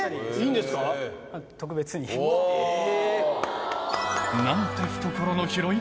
え！